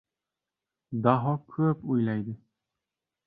Daho ko‘p o‘yladi.